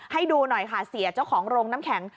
ให้ดูหน่อยค่ะเสียเจ้าของโรงน้ำแข็ง